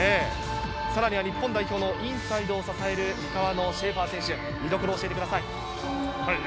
さらに日本代表のインサイドを支えるシェーファー選手、見所をおしえてください。